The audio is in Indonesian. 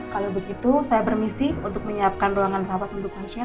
kalau begitu saya bermisi untuk menyiapkan ruangan rawat untuk pasien